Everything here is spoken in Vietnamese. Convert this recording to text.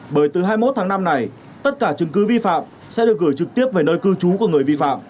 bởi từ hai mươi một tháng năm này tất cả chứng cứ vi phạm sẽ được gửi trực tiếp về nơi cư trú của người vi phạm